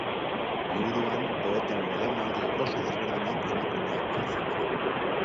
Liburuan poeten belaunaldi oso desberdinen emakumeak biltzen dira.